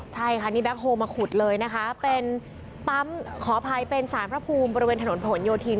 ใช่ค่ะนี่แก๊คโฮลมาขุดเลยนะคะเป็นปั๊มขออภัยเป็นสารพระภูมิบริเวณถนนผนโยธิน